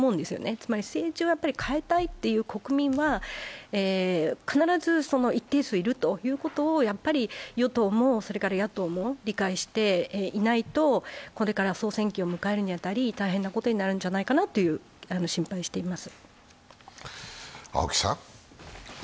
つまり政治を変えたいという国民は必ず一定数いると与党も野党も理解していないと、これから総選挙を迎えるに当たり、大変なことになるんじゃないかと心配しています。